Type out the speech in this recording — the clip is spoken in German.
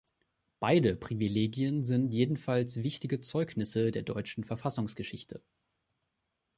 Beide Privilegien sind jedenfalls wichtige Zeugnisse der deutschen Verfassungsgeschichte.